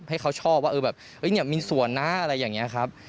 ให้เขาชอบว่าเออแบบมีส่วนนะอะไรอย่างนี้ครับ